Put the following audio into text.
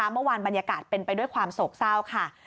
บรรยากาศเป็นไปด้วยความโศกเศร้าค่ะ